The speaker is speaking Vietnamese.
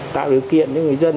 tạo điều kiện cho người dân